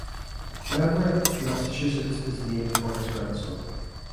Leverett, Massachusetts is named for his grandson.